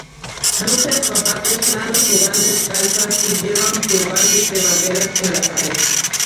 Lucen zapatos planos o van descalzas y llevan turbantes de banderas en la cabeza.